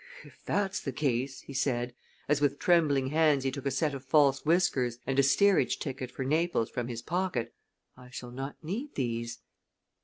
"If that's the case," he said, as with trembling hands he took a set of false whiskers and a steerage ticket for Naples from his pocket, "I shall not need these."